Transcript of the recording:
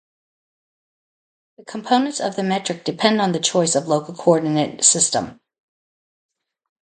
The components of the metric depend on the choice of local coordinate system.